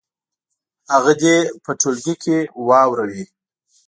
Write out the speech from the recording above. هغه دې په ټولګي کې واوروي.